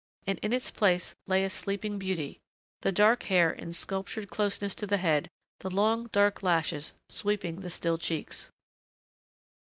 And in its place lay a Sleeping Beauty, the dark hair in sculptured closeness to the head, the long, black lashes sweeping the still cheeks.